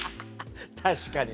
確かにね。